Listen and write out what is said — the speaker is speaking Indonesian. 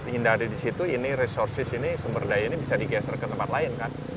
hindari di situ ini resources ini sumber daya ini bisa digeser ke tempat lain kan